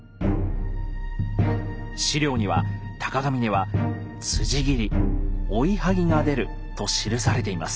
史料には鷹峯は「斬り追い剥ぎが出る」と記されています。